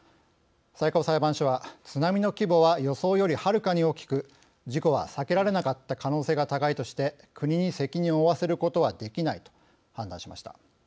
最高裁判所は、津波の規模は予測より、はるかに大きく事故は避けられなかった可能性が高いとして国に責任を負わせることはできないと判断しました。